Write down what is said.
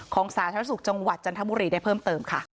สาธารณสุขจังหวัดจันทบุรีได้เพิ่มเติมค่ะ